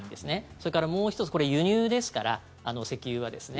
それからもう１つ、これ輸入ですから、石油はですね。